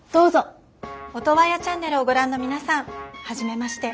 オトワヤチャンネルをご覧の皆さんはじめまして。